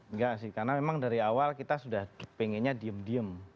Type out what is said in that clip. enggak sih karena memang dari awal kita sudah pengennya diem diem